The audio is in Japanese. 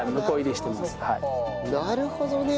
なるほどね。